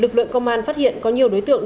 lực lượng công an phát hiện có nhiều đối tượng